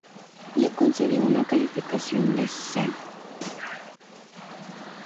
Le concedió una calificación de C-.